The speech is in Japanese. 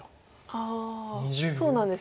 ああそうなんですね。